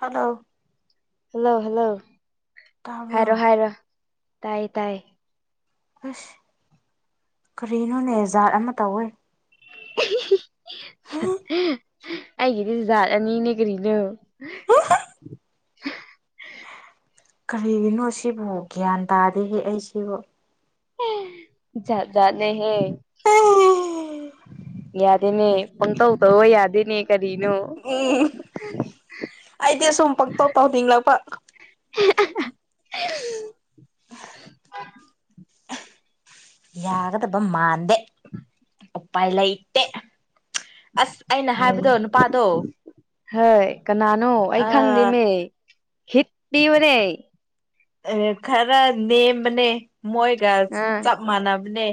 hello hello hello ꯍꯥꯏꯔꯣ ꯇꯥꯕ꯭ꯔꯣ ꯍꯥꯏꯔꯣ ꯇꯥꯏꯌꯦ ꯇꯥꯏꯌꯦ ꯑꯁ ꯀꯔꯤꯅꯣꯅꯦ ꯖꯥꯠ ꯑꯃ ꯇꯧꯋꯦ [unintelligible] ꯑꯩꯒꯤꯗꯤ ꯖꯥꯠ ꯑꯅꯤꯅꯦ ꯀꯔꯤꯅꯣ ꯀꯔꯤꯒꯤꯅꯣ ꯑꯁꯤꯕꯨ ꯒ꯭ꯌꯥꯟ ꯇꯥꯗꯦꯍꯦ ꯑꯩꯁꯤꯕꯨ ꯍꯦ ꯖꯥꯠ ꯖꯥꯠꯅꯦ ꯍꯦ ꯌꯥꯗꯦꯅꯦ ꯄꯪꯇꯧ ꯇꯧꯕ ꯌꯥꯗꯦꯅꯦ ꯀꯔꯤꯅꯣ ꯑꯩꯗꯤ ꯁꯨꯝ ꯄꯪꯇꯧ ꯇꯧꯅꯤꯡꯂꯛꯄ [unintelligible] [inaudible] ꯌꯥꯒꯗꯕ ꯃꯥꯟꯗꯦ ꯎꯄꯥꯏ ꯂꯩꯇꯦ ꯑꯁ ꯑꯩꯅ ꯍꯥꯏꯕꯗꯣ ꯅꯨꯄꯥꯗꯣ ꯍꯣꯏ ꯀꯅꯥꯅꯣ ꯑꯩ ꯑꯥ ꯈꯪꯗꯦꯃꯦ ꯍꯤꯟꯁ ꯄꯤꯌꯨꯅꯦ ꯑꯦ ꯈꯔ ꯅꯦꯝꯕꯅꯦ ꯃꯣꯏꯒ ꯑꯥ ꯆꯞ ꯃꯥꯟꯅꯕꯅꯦ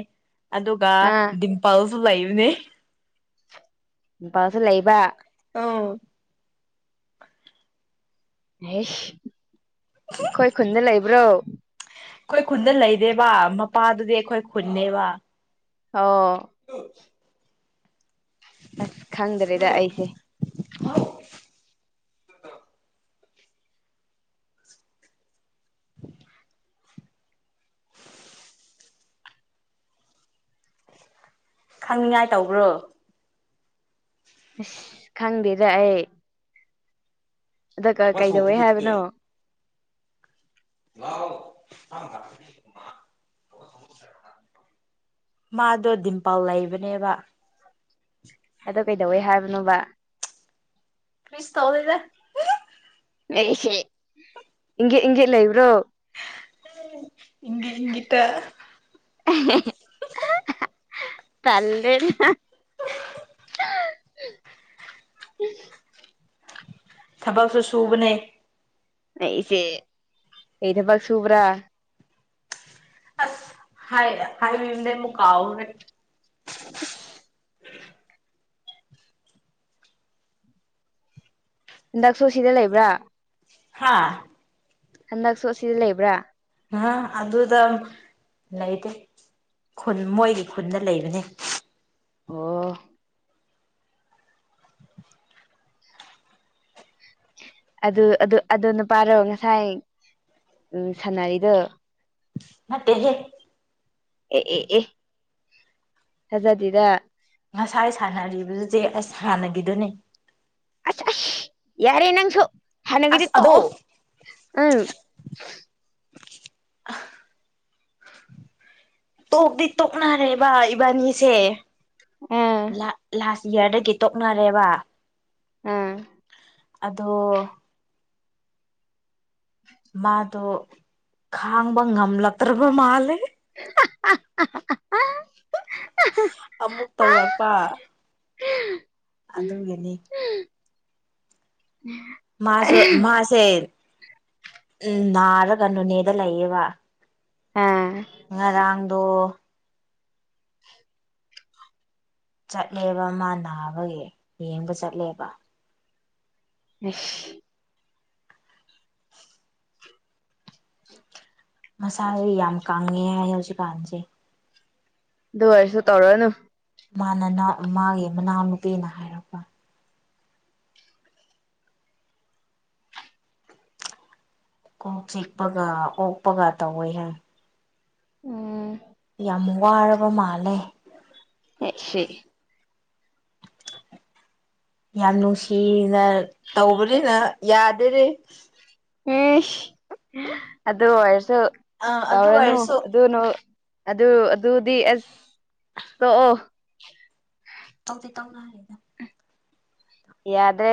ꯑꯗꯨꯒ ꯑꯥ ꯗꯤꯝꯄꯜꯁꯨ ꯂꯩꯕꯅꯦ ꯗꯤꯝꯄꯥꯜꯁꯨ ꯂꯩꯕ ꯑꯝ ꯑꯦꯁ ꯑꯩꯈꯣꯏ ꯈꯨꯟꯗ ꯂꯩꯕ꯭ꯔꯣ ꯑꯩꯈꯣꯏ ꯈꯨꯟꯗ ꯂꯩꯔꯦꯕ ꯃꯄꯥꯗꯨꯗꯤ ꯑꯩꯈꯣꯏ ꯈꯨꯟꯅꯦꯕ ꯑꯣ ꯍ [inaudible] ꯑꯁ ꯈꯪꯗ꯭ꯔꯦꯗ ꯑꯩꯁꯦ ꯑ [inaudible] ꯈꯪꯅꯤꯡꯉꯥꯏ ꯇꯧꯕ꯭ꯔꯣ ꯑꯁ ꯈꯪꯗꯦꯗ ꯑꯩ ꯑꯗꯨꯒ ꯀꯩꯗꯧꯋꯦ ꯍꯥꯏꯕꯅꯣ ꯂ ꯀ [unintelligible] ꯃꯥꯗꯣ ꯗꯤꯝꯄꯜ ꯂꯩꯕꯅꯦꯕ ꯑꯗꯨ ꯀꯩꯗꯧꯋꯦ ꯍꯥꯏꯕꯅꯣꯕ ꯀ꯭ꯔꯤꯁ ꯇꯧꯗꯦꯗ ꯑꯦꯍꯦ ꯏꯪꯒꯦꯠ ꯏꯪꯒꯦꯠ ꯂꯩꯕ꯭ꯔꯣ ꯢꯪꯒꯤꯠ ꯢꯪꯒꯤꯠꯇ [unintelligible] ꯇꯜꯂꯦꯅꯦ [inaudible] ꯍ [inaudible] ꯊꯕꯛꯁꯨ ꯁꯨꯕꯅꯦ ꯑꯩ ꯏꯆꯦ ꯀꯩ ꯊꯕꯛ ꯁꯨꯕ꯭ꯔꯥ ꯑꯁ ꯍꯥꯏ ꯍꯥꯏꯗꯦ ꯑꯃꯨꯛ ꯀꯥꯎꯈ꯭ꯔꯦ ꯑ [inaudible] ꯍꯟꯗꯛꯁꯨ ꯁꯤꯗ ꯂꯩꯕ꯭ꯔꯥ ꯍꯥꯥ ꯍꯟꯗꯛꯁꯨ ꯑꯁꯤꯗ ꯂꯩꯕ꯭ꯔꯥ ꯑ ꯑꯗꯨꯗ ꯂꯩꯇꯦ ꯈꯨꯟ ꯃꯣꯏꯒꯤ ꯈꯨꯟꯗ ꯂꯩꯕꯅꯦ ꯑꯣ ꯑꯗꯨ ꯑꯗꯨ ꯅꯨꯄꯥꯗꯣ ꯉꯁꯥꯏ ꯎꯝ ꯁꯥꯟꯅꯔꯤꯗꯣ ꯅꯠꯇꯦ ꯍꯦ ꯑꯦ ꯑꯦ ꯑꯦ ꯊꯖꯗꯦꯗ ꯉꯁꯥꯏ ꯁꯥꯟꯅꯔꯤꯗꯨꯗꯤ ꯑꯁ ꯍꯥꯟꯅꯒꯤꯗꯨꯅꯤ ꯑꯁ ꯑꯁ ꯌꯥꯔꯦ ꯅꯪꯁꯨ ꯍꯥꯟꯅꯒꯤꯗꯤ ꯑꯁ ꯑꯗꯣ ꯇꯣꯛꯑꯣ ꯎꯝ ꯇꯣꯛꯇꯤ ꯇꯣꯛꯅꯔꯦꯕ ꯏꯕꯥꯅꯤꯁꯦ ꯑꯥ ꯂꯥꯁ ꯏꯌꯥꯔꯗꯒꯤ ꯇꯣꯛꯅꯔꯦꯕ ꯑꯝ ꯑꯗꯣ ꯃꯥꯗꯣ ꯈꯥꯡꯕ ꯉꯝꯂꯛꯇ꯭ꯔꯕ ꯃꯥꯂꯦ [unintelligible] ꯑꯃꯨꯛ ꯇꯧꯔꯛꯄ ꯎꯝ [unintelligible] ꯑꯗꯨꯒꯤꯅꯤ ꯎꯝ [inaudible] ꯃꯥꯁꯨ ꯃꯥꯁꯦ ꯎꯝ ꯅꯥꯔꯒ ꯅꯣꯅꯦꯗ ꯂꯩꯌꯦꯕ ꯑꯥ ꯉꯔꯥꯡꯗꯣ ꯆꯠꯂꯦꯕ ꯃꯥ ꯅꯥꯕꯒꯤ ꯌꯦꯡꯕ ꯆꯠꯂꯦꯕ ꯢꯁ ꯃꯁꯥꯥꯁꯦ ꯌꯥꯝ ꯀꯪꯉꯦ ꯍꯥꯏ ꯍꯧꯖꯤꯛꯀꯥꯟꯁꯦ ꯑꯗꯨ ꯑꯣꯏꯔꯁꯨ ꯇꯧꯔꯅꯨ ꯃꯥꯅ ꯃꯥꯒꯤ ꯃꯅꯥꯎꯅꯨꯄꯤꯅ ꯍꯥꯏꯔꯛꯄ ꯀꯣꯛ ꯆꯤꯛꯄꯒ ꯑꯣꯛꯄꯒ ꯇꯧꯋꯦ ꯍꯥꯢ ꯎꯝ ꯌꯥꯝ ꯋꯥꯔꯕ ꯃꯥꯜꯂꯦ ꯑꯦ ꯁꯤ ꯌꯥꯝ ꯅꯨꯡꯁꯤꯅ ꯇꯧꯕꯅꯤꯅ ꯌꯥꯗꯦꯅꯦ ꯎꯝ ꯑꯗꯨ ꯑꯣꯏꯔꯁꯨ ꯑꯥ ꯑꯗꯨ ꯇꯧꯔꯅꯨ ꯑꯣꯏꯔꯁꯨ ꯑꯗꯨꯅ ꯑꯗꯨ ꯑꯗꯨꯗꯤ ꯑꯁ ꯇꯣꯛꯑꯣ ꯇꯧꯗꯤ ꯇꯧꯅꯔꯦꯗ ꯌꯥꯗ꯭ꯔꯦ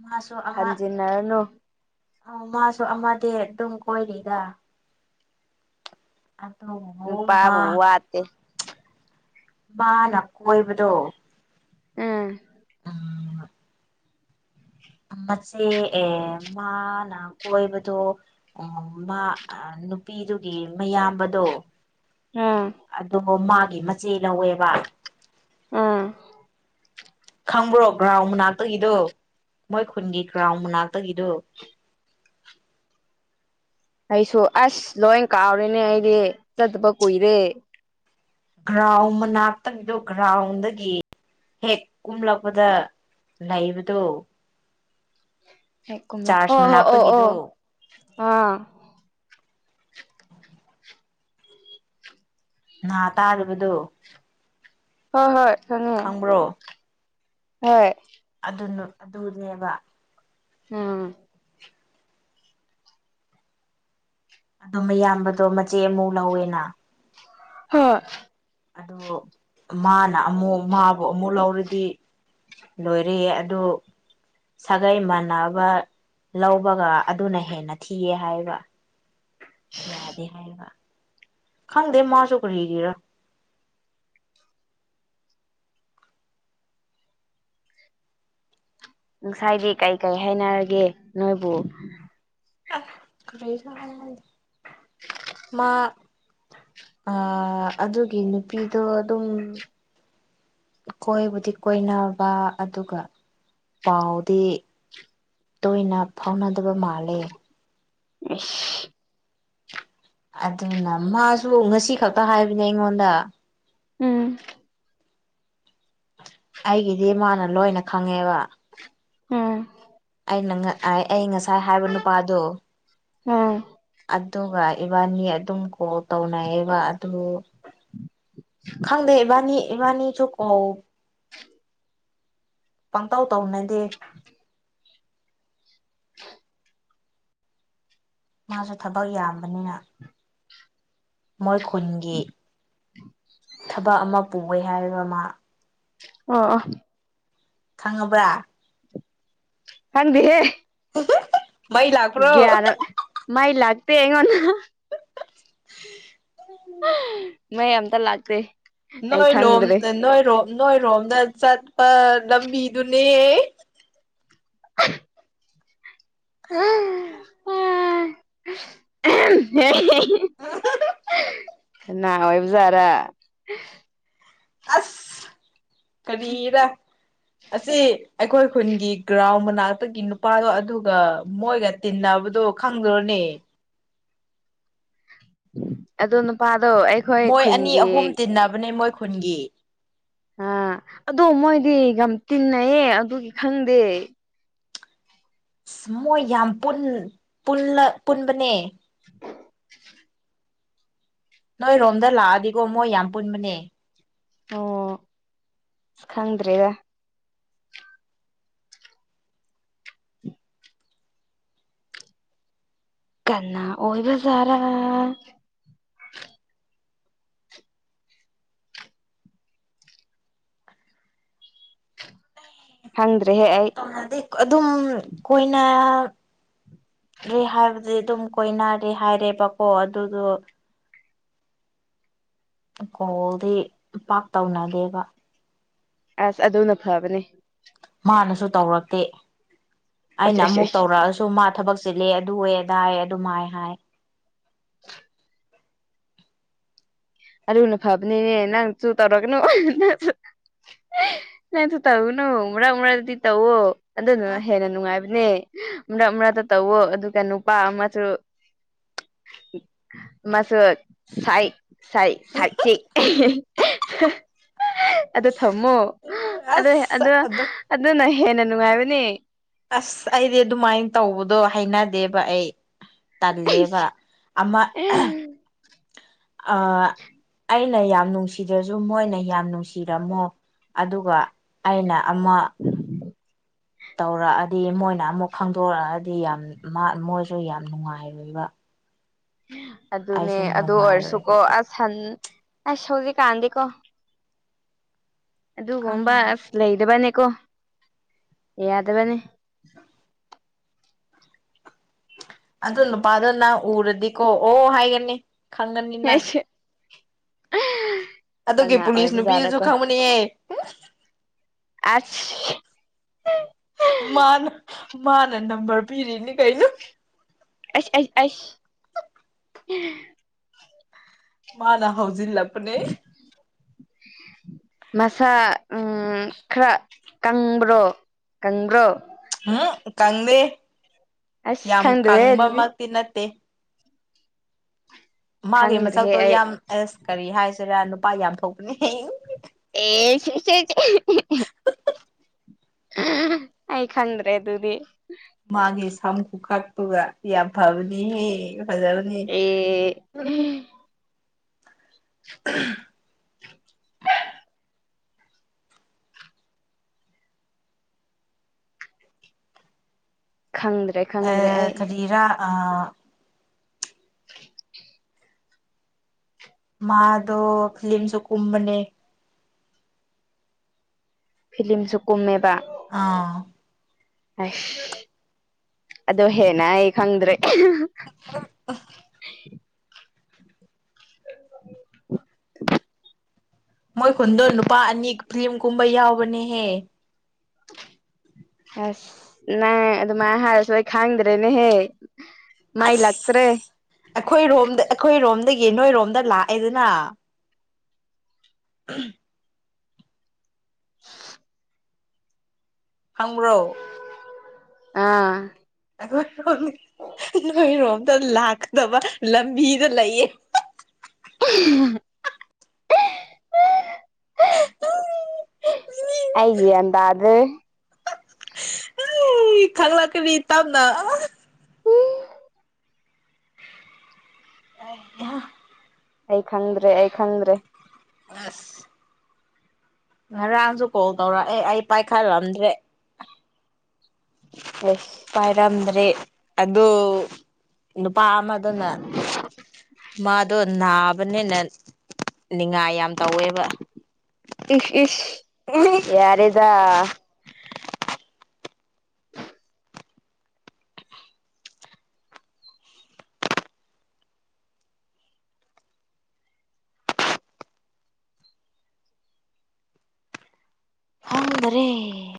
ꯃꯥ [unintelligible] ꯍꯟꯖꯤꯟꯅꯔꯅꯨ ꯑ ꯃꯥꯁꯨ ꯑꯃꯗꯤ ꯑꯗꯨꯝ ꯀꯣꯏꯔꯤꯗ ꯑꯗꯣ ꯅꯨꯄꯥꯕꯨ ꯋꯥꯠꯇꯦ ꯃꯅꯥ ꯀꯣꯏꯕꯗꯣ ꯎꯝ ꯎꯝ ꯃꯆꯦ ꯑꯦ ꯃꯥꯅ ꯀꯣꯏꯕꯗꯣ ꯎ ꯃꯥ ꯑꯥ ꯅꯨꯄꯤꯗꯨꯒꯤ ꯃꯌꯥꯝꯕꯗꯣ ꯑꯥ ꯑꯗꯣ ꯃꯥꯒꯤ ꯃꯆꯦ ꯂꯧꯋꯦꯕ ꯑꯝ ꯈꯪꯕ꯭ꯔꯣ ꯒ꯭ꯔꯥꯎꯟ ꯃꯅꯥꯛꯇꯒꯤꯗꯨ ꯃꯣꯏ ꯈꯨꯟꯒꯤ ꯒ꯭ꯔꯥꯎꯟ ꯃꯅꯥꯛꯇꯒꯤꯗꯨ ꯑꯩꯁꯨ ꯑꯁ ꯂꯣꯏ ꯀꯥꯎꯔꯦꯅꯦ ꯑꯩꯗꯤ ꯆꯠꯇꯕ ꯀꯨꯏꯔꯦ ꯒ꯭ꯔꯥꯎꯟ ꯃꯅꯥꯛꯇꯒꯤꯗꯣ ꯒ꯭ꯔꯥꯎꯟꯗꯒꯤ ꯍꯦꯛ ꯀꯨꯝꯂꯛꯄꯗ ꯂꯩꯩꯕꯗꯣ ꯍꯦꯛ ꯀꯨꯝꯂꯛ ꯑꯣ ꯍꯣ ꯑꯣ ꯑꯣ ꯑꯥ ꯅꯥ ꯇꯥꯗꯕꯗꯣ ꯍꯣꯏ ꯍꯣꯏ ꯈꯪꯉꯦ ꯈꯪꯕ꯭ꯔꯣ ꯍꯣꯏ ꯑꯗꯨꯅ ꯑꯗꯨꯅꯦꯕ ꯑꯝ ꯑꯗꯨ ꯃꯌꯥꯝꯕꯗꯣ ꯃꯆꯦ ꯑꯃꯨꯛ ꯂꯧꯋꯦꯅ ꯍꯣꯏ ꯑꯗꯨ ꯃꯥꯅ ꯑꯃꯨꯛ ꯃꯥꯕꯨ ꯑꯃꯨꯛ ꯂꯧꯔꯗꯤ ꯂꯣꯏꯔꯦ ꯑꯗꯨ ꯁꯥꯒꯩ ꯃꯥꯟꯅꯕ ꯂꯧꯕꯒ ꯑꯗꯨꯅ ꯍꯦꯟꯅ ꯊꯤꯌꯦ ꯍꯥꯏꯕ ꯌꯥꯗꯦ ꯍꯥꯏꯕ ꯈꯪꯗꯦ ꯃꯥꯁꯨ ꯀꯔꯤꯒꯤꯔ ꯉꯁꯥꯏꯗꯤ ꯀꯩ ꯀꯩ ꯍꯥꯏꯅꯔꯒꯦ ꯅꯣꯏꯕꯨ ꯑꯁ ꯀꯩꯁꯨ ꯍꯥꯢꯅꯗꯦ ꯃꯥ ꯑ ꯑꯗꯨꯒꯤ ꯅꯨꯄꯤꯗꯣ ꯑꯗꯨꯝ ꯀꯣꯏꯕꯨꯗꯤ ꯀꯣꯏꯅꯕ ꯑꯗꯨꯒ ꯄꯥꯎꯗꯤ ꯇꯣꯏꯅ ꯐꯥꯎꯅꯗꯕ ꯃꯥꯜꯂꯦ ꯢꯁ ꯑꯗꯨꯅ ꯃꯥꯁꯨ ꯉꯁꯤ ꯈꯛꯇ ꯍꯥꯏꯕꯅꯦ ꯑꯩꯉꯣꯟꯗ ꯎꯝ ꯑꯩꯒꯤꯗꯤ ꯃꯥꯅ ꯂꯣꯏꯅ ꯈꯪꯉꯦꯕ ꯎꯝ ꯑꯩꯅ ꯑꯩ ꯉꯁꯥꯏ ꯍꯥꯏꯕ ꯅꯨꯄꯥꯗꯣ ꯑꯝ ꯑꯗꯨꯒ ꯏꯕꯥꯅꯤ ꯑꯗꯨꯝ ꯒꯣꯜ ꯇꯧꯅꯩꯑꯦꯕ ꯑꯗꯨ ꯈꯪꯗꯦ ꯢꯕꯥꯅꯤ ꯏꯕꯥꯅꯤꯁꯨ ꯒꯣꯜ ꯄꯪꯇꯧ ꯇꯧꯅꯗꯦ ꯃꯥꯁꯨ ꯊꯕꯛ ꯌꯥꯝꯕꯅꯤꯅ ꯃꯣꯏ ꯈꯨꯟꯒꯤ ꯊꯕꯛ ꯑꯃ ꯄꯨꯌꯦ ꯍꯥꯏꯌꯦꯕ ꯃꯥ ꯑꯣ ꯑꯣ ꯈꯪꯉꯥꯕ꯭ꯔꯥ ꯈꯪꯗꯦꯍꯦ [unintelligible] ꯂꯥꯛꯄ꯭ꯔꯣ ꯒ꯭ꯌꯥꯔ ꯃꯩ ꯂꯥꯛꯇꯦ ꯑꯩꯉꯣꯟꯗ [unintelligible] ꯃꯩ ꯑꯝꯇ ꯂꯥꯛꯇꯦ ꯑꯩ ꯅꯣꯏꯂꯣꯝ ꯈꯪꯗ꯭ꯔꯦ ꯅꯣꯏꯔꯣꯝ ꯅꯣꯏꯔꯣꯝꯗ ꯆꯠꯄ ꯂꯝꯕꯤꯗꯨꯅꯦ [unintelligible] [unintelligible] ꯀꯅꯥ ꯑꯣꯏꯕꯖꯥꯔ ꯑꯁ ꯀꯔꯤꯔ ꯑꯁꯤ ꯑꯩꯈꯣꯏ ꯈꯨꯟꯒꯤ ꯒ꯭ꯔꯥꯎꯟ ꯃꯅꯥꯛꯇꯒꯤ ꯅꯨꯄꯥꯗꯣ ꯑꯗꯨꯒ ꯃꯣꯏꯒ ꯇꯤꯟꯅꯕꯗꯣ ꯈꯪꯗ꯭ꯔꯣꯅꯦ ꯑꯗꯣ ꯅꯨꯄꯥꯗꯣ ꯑꯩꯈꯣꯏ ꯃꯣꯏ ꯑꯅꯤ ꯈꯨꯟꯒꯤ ꯑꯍꯨꯝ ꯇꯤꯟꯅꯕꯅꯦ ꯃꯣꯏ ꯈꯨꯟꯒꯤ ꯑꯥ ꯑꯗꯣ ꯃꯣꯏꯗꯤ ꯌꯥꯝ ꯇꯤꯟꯅꯩꯌꯦ ꯑꯗꯨꯒꯤ ꯈꯪꯗꯦ ꯃꯣꯏ ꯌꯥꯝ ꯄꯨꯟ ꯄꯨꯟꯂ ꯄꯨꯟꯕꯅꯦ [inaudible] ꯅꯣꯏꯔꯣꯝꯗ ꯂꯥꯛꯑꯗꯤꯀꯣ ꯃꯣꯏ ꯌꯥꯝ ꯄꯨꯟꯕꯅꯦ ꯑꯣ ꯈꯪꯗ꯭꯭ꯔꯦꯗ ꯀꯅꯥ ꯑꯣꯏꯕ ꯖꯥꯔ ꯈꯪꯗ꯭ꯔꯦꯍꯦ ꯑꯩ ꯑꯗꯨꯝ ꯀꯣꯏꯅꯔꯦ ꯍꯥꯏꯕ ꯖꯤ ꯑꯗꯨꯝ ꯀꯣꯏꯅꯔꯦ ꯍꯥꯏꯔꯦꯕꯀꯣ ꯑꯗꯨꯗꯣ ꯀꯣꯜꯗꯤ ꯄꯥꯛ ꯇꯧꯅꯗꯦꯕ ꯑꯁ ꯑꯗꯨꯅ ꯐꯕꯅꯦ ꯃꯥꯅꯁꯨ ꯇꯧꯔꯛꯇꯦ ꯑꯁ ꯑꯩꯅ ꯑꯁ ꯑꯃꯨꯛ ꯑꯁ ꯇꯧꯔꯛꯑꯁꯨ ꯃꯥ ꯊꯕꯛ ꯆꯤꯜꯂꯦ ꯑꯗꯨꯋꯦ ꯑꯗꯥꯌꯦ ꯑꯗꯨꯝ ꯍꯥꯏ ꯍꯥꯏ [inaudible] ꯑꯗꯨꯅ ꯐꯕꯅꯤꯅꯦ ꯅꯪꯆꯨ ꯇꯧꯔꯒꯅꯨ ꯅꯆꯨ ꯅꯪꯁꯨ ꯇꯧꯒꯨꯅꯨ ꯃꯔꯛ ꯃꯔꯛꯗꯤ ꯇꯧꯑꯣ ꯑꯗꯨꯅ ꯍꯦꯟꯅ ꯅꯨꯡꯉꯥꯏꯕꯅꯦ ꯃꯔꯛ ꯃꯔꯛꯇ ꯇꯧꯋꯣ ꯑꯗꯨꯒ ꯅꯨꯄꯥ ꯑꯃꯁꯨ ꯃꯁꯨ ꯁꯥꯏꯗ ꯁꯥꯏꯗ ꯁꯥꯏ ꯆꯤꯛ ꯑꯗꯨ ꯊꯝꯃꯣ ꯑꯗꯨꯍꯦ ꯑꯁ ꯑꯗꯨ ꯑꯗꯨꯝ ꯑꯗꯨꯅ ꯍꯦꯟꯅ ꯅꯨꯡꯉꯥꯏꯕꯅꯦ ꯑꯁ ꯑꯩꯗꯤ ꯑꯗꯨꯃꯥꯏꯟ ꯇꯧꯕꯗꯣ ꯍꯥꯏꯅꯗꯦꯕ ꯑꯩ ꯇꯜꯦꯕ ꯑꯃ ꯑꯥ ꯑꯩꯅ ꯌꯥꯝ ꯅꯨꯡꯁꯤꯗ꯭ꯔꯖꯨ ꯃꯣꯏꯅ ꯌꯥꯝ ꯅꯨꯡꯁꯤꯔꯝꯃꯣ ꯑꯗꯨꯒ ꯑꯩꯅ ꯑꯃ ꯇꯧꯔꯛꯑꯗꯤ ꯃꯣꯏꯅ ꯑꯃꯨꯛ ꯈꯪꯗꯣꯔꯛꯑꯗꯤ ꯌꯥꯝ ꯃꯥ ꯃꯣꯏꯁꯨ ꯌꯥꯝ ꯅꯨꯡꯉꯥꯏꯔꯣꯏꯕ ꯑꯗꯨꯅꯦ ꯑꯩꯁꯨ ꯑꯗꯨ ꯑꯣꯏꯔꯁꯨꯀꯣ ꯅꯨꯡꯉꯥꯏꯔꯣꯏꯕ ꯑꯗꯣ ꯑꯁ ꯁꯟ ꯑꯁ ꯍꯧꯖꯤꯛꯀꯥꯟꯗꯤꯀꯣ ꯑꯗꯨꯒꯨꯝꯕ ꯈꯪꯗ꯭ꯔꯦ ꯑꯁ ꯂꯩꯗꯕꯅꯦꯀꯣ ꯌꯥꯗꯕꯅꯦ ꯑꯗꯨ ꯅꯨꯄꯥꯗꯣ ꯅꯪ ꯎꯔꯗꯤꯀꯣ ꯑꯣ ꯍꯥꯏꯒꯅꯤ ꯈꯪꯒꯅꯤ ꯅꯪ [unintelligible] ꯑꯗꯨꯒꯤ ꯄꯨꯂꯤꯁ ꯅꯨꯄꯤꯗꯨꯖꯨ ꯑꯣꯏꯕꯖꯥꯠꯔꯀꯣ ꯈꯪꯕꯅꯤꯍꯦ ꯑꯁ ꯃꯥꯅ ꯃꯥꯅ ꯅꯝꯕꯔ ꯄꯤꯔꯤꯅꯤ ꯀꯩꯅꯣ ꯑꯩꯁ ꯑꯩ ꯑꯩꯁ ꯃꯥꯅꯥ ꯍꯧꯖꯤꯜꯂꯄꯅꯦ ꯃꯁꯥ ꯎꯝ ꯈꯔ ꯀꯪꯕ꯭ꯔꯣ ꯀꯪꯕ꯭ꯔꯣ ꯎꯝ ꯀꯪꯗꯦ ꯑꯁ ꯌꯥꯝ ꯈꯪꯗ꯭ꯔꯦ ꯑꯗꯨꯗꯤ ꯀꯪꯕꯃꯛꯇꯤ ꯅꯠꯇꯦ ꯃꯥꯒꯤ ꯈꯪꯗ꯭ꯔꯦꯍꯦ ꯃꯁꯛꯇꯣ ꯑꯩ ꯌꯥꯝ ꯑꯁ ꯀꯔꯤ ꯍꯥꯏꯁꯤꯔꯥ ꯅꯨꯄꯥ ꯌꯥꯝ ꯊꯣꯛꯄꯅꯦ ꯑꯦ [unintelligible] ꯑꯩ ꯈꯪꯗ꯭ꯔꯦ ꯑꯗꯨꯗꯤ ꯃꯥꯒꯤ ꯁꯝ ꯈꯨꯨꯀꯛꯇꯨꯒ ꯌꯥꯝ ꯐꯕꯅꯤꯍꯦ ꯐꯖꯕꯅꯤ ꯑꯦ [unintelligible] [inaudible] ꯈꯪꯗ꯭ꯔꯦ ꯈꯪꯗ꯭ꯔꯦ ꯑꯦ ꯑꯩ ꯀꯔꯤꯔꯥ ꯑꯥ [inaudible] ꯃꯥꯗꯣ ꯐꯤꯂꯤꯝꯁꯨ ꯀꯨꯝꯕꯅꯦ ꯐꯤꯂꯤꯝꯁꯨ ꯀꯨꯝꯃꯦꯕ ꯑꯥ ꯑꯩꯁ ꯑꯗꯨ ꯍꯦꯟꯅ ꯑꯩ ꯈꯪꯗ꯭ꯔꯦ ꯃꯣꯏ ꯈꯨꯟꯗꯣ ꯅꯨꯄꯥ ꯑꯅꯤ ꯐꯤꯂꯤꯝ ꯀꯨꯝꯕ ꯌꯥꯎꯕꯅꯦꯍꯦ ꯑꯁ ꯅꯪ ꯑꯗꯨꯃꯥꯏ ꯍꯥꯏꯔꯁꯨ ꯑꯩ ꯈꯪꯗ꯭ꯔꯦꯅꯦ ꯍꯦ ꯃꯩ ꯑꯁ ꯂꯥꯥꯛꯇ꯭ꯔꯦ ꯑꯩꯈꯣꯏꯔꯣꯝꯗ ꯑꯩꯈꯣꯏꯔꯣꯝꯗꯒꯤ ꯅꯣꯏꯔꯣꯝꯗ ꯂꯥꯛꯑꯦꯗꯅ [inaudible] [inaudible] ꯈꯪꯕ꯭ꯔꯣ ꯑꯥ ꯑꯈꯣꯏꯔꯣꯝꯗꯩꯩ ꯅꯣꯏꯔꯣꯝꯗ ꯂꯥꯛꯀꯗꯕ ꯂꯝꯕꯤꯗ ꯂꯩꯌꯦ ꯑꯩ ꯒꯌ꯭ꯥꯟ ꯇꯥꯗ꯭ꯔꯦ ꯏ ꯈꯪꯂꯛꯀꯅꯤ ꯇꯞꯅ ꯑꯩ ꯍꯥ ꯑꯩ ꯈꯪꯗ꯭ꯔꯦ ꯑꯩ ꯈꯪꯗ꯭ꯔꯦ ꯑꯁ ꯉꯔꯥꯡꯁꯨ ꯀꯣꯜ ꯇꯧꯔꯛꯑꯦ ꯑꯩ ꯄꯥꯏꯈꯠꯂꯝꯗ꯭ꯔꯦ [inaudible] ꯑꯩꯁ ꯄꯥꯏꯔꯝꯗ꯭ꯔꯦ ꯑꯗꯨ ꯅꯨꯄꯥ ꯑꯃꯗꯨꯅ ꯃꯥꯗꯣ ꯅꯥꯕꯅꯦꯅ ꯅꯤꯡꯉꯥꯏ ꯌꯥꯝ ꯇꯧꯋꯦ ꯏꯁ ꯏꯁ ꯌꯥꯔꯦꯗ ꯈꯪꯗꯔꯦ